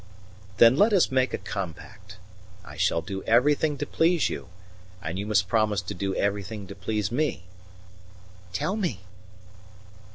"Then let us make a compact. I shall do everything to please you, and you must promise to do everything to please me." "Tell me."